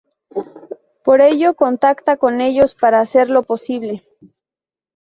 Por ello contacta con ellos para hacerlo posible.